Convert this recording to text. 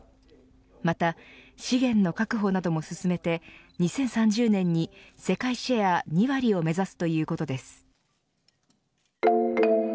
また資源の確保なども進めて２０３０年に世界シェア２割を目指すということです。